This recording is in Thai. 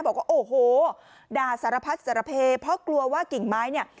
บอกว่าโอ้โหด่าสารพัดสารเพเพราะกลัวว่ากิ่งไม้เนี่ย